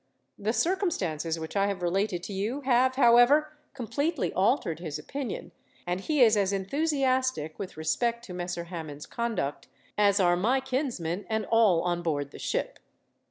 The circumstances which I have related to you have, however, completely altered his opinion, and he is as enthusiastic, with respect to Messer Hammond's conduct, as are my kinsman and all on board the ship."